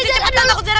cepat jangan takut zara